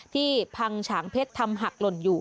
ที่พังฉางเพชรทำหักหล่นอยู่